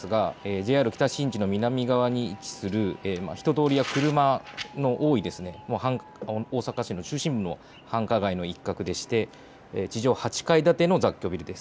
ＪＲ北新地の南側に位置する人通りや車の多い大阪市の中心部の繁華街の一角でして地上８階建ての雑居ビルです。